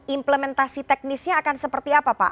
implementasi teknisnya akan seperti apa pak